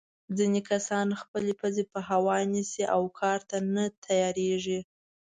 ځینې کسان خپلې پزې په هوا نیسي او کار ته نه تیارېږي.